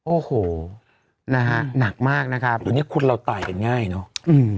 โอ้โหนะฮะหนักมากนะครับตอนนี้คุณเราตายเป็นง่ายเนอะอืม